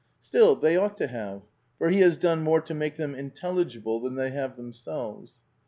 Still, they ought to have, for he has done more to make them intelligible than they have themselves.